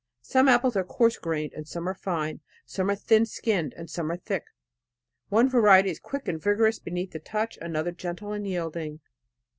Some apples are coarse grained and some are fine; some are thin skinned and some are thick. One variety is quick and vigorous beneath the touch; another gentle and yielding.